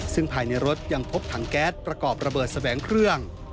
ซึ่งภายในรถยังพบถังแก๊สประกอบระเบิดแสวงเครื่อง